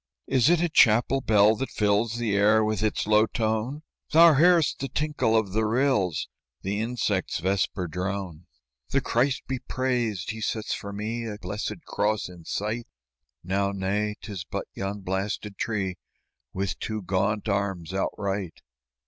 "Is it a chapel bell that fills The air with its low tone?" "Thou hear'st the tinkle of the rills, The insect's vesper drone." "The Christ be praised! He sets for me A blessed cross in sight!" "Now, nay, 'tis but yon blasted tree With two gaunt arms outright!"